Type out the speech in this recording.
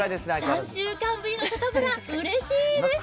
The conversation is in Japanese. ３週間ぶりのサタプラ、うれしいです。